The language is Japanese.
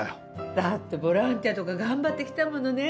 だってボランティアとか頑張ってきたものね。